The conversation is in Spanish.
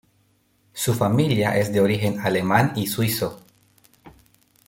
Su familia es de origen alemán y suizo.